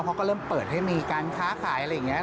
เขาก็เริ่มเปิดให้มีการค้าขายอะไรอย่างนี้